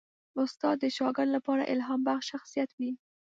استاد د شاګرد لپاره الهامبخش شخصیت وي.